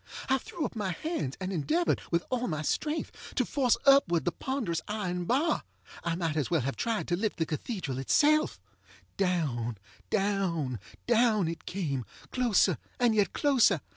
I threw up my hands and endeavored, with all my strength, to force upward the ponderous iron bar. I might as well have tried to lift the cathedral itself. Down, down, down it came, closer and yet closer.